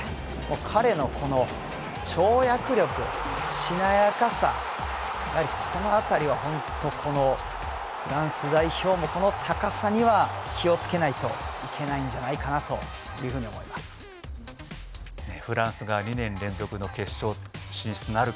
彼の跳躍力しなやかさ、やはりこのあたりは本当フランス代表もこの高さには気をつけないといけないんじゃないかなフランスが２年連続の決勝進出なるか。